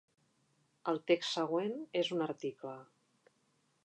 El text següent és un article.